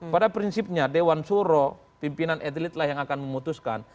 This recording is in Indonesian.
pada prinsipnya dewan suro pimpinan etelitlah yang akan memutuskan